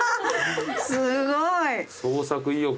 すごい。